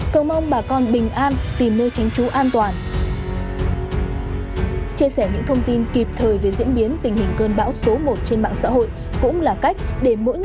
cầu mong bà con bình an tìm nơi tránh chú ý